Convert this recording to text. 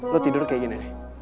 lu tidur kayak gini